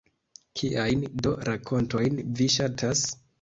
Kiajn do rakontojn vi ŝatas?